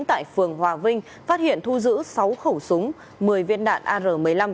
tại phường hòa vinh phát hiện thu giữ sáu khẩu súng một mươi viên đạn ar một mươi năm